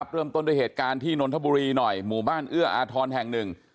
เริ่มต้นด้วยเหตุการณ์ที่นนทบุรีหน่อยหมู่บ้านเอื้ออาทรแห่งหนึ่ง